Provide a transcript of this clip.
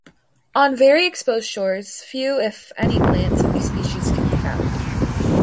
On very exposed shores few if, any plants, of these species can be found.